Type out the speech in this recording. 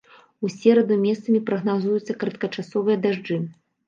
У сераду месцамі прагназуюцца кароткачасовыя дажджы.